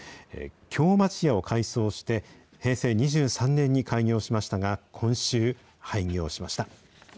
京町家を改装して、平成２３年に開業しましたが、今週、廃業しました。